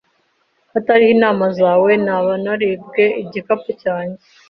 Hatariho inama zawe, naba naribwe igikapu cyanjye.